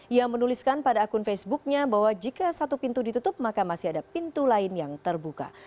ia menuliskan pada akun facebooknya bahwa jika satu pintu ditutup maka masih ada pintu lain yang terbuka